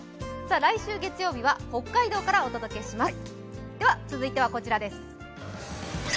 来週月曜日は北海道からお届けします。